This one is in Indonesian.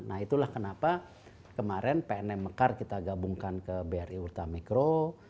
nah itulah kenapa kemarin pnm mekar kita gabungkan ke bri ultramikro